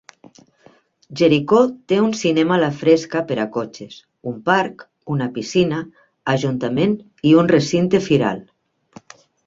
Jericho té un cinema a la fresca per a cotxes, un parc, una piscina, ajuntament i un recinte firal.